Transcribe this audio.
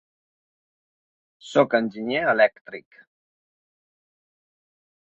Soc enginyer elèctric.